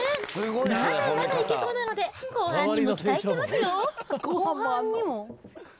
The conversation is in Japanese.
まだまだいけそうなので、後半にも期待してますよ。